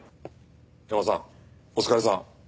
ヤマさんお疲れさん。